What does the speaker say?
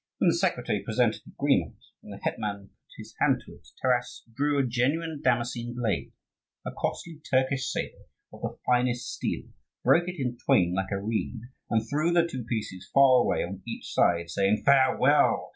When the secretary presented the agreement, and the hetman put his hand to it, Taras drew a genuine Damascene blade, a costly Turkish sabre of the finest steel, broke it in twain like a reed, and threw the two pieces far away on each side, saying, "Farewell!